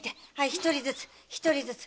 一人ずつ一人ずつ。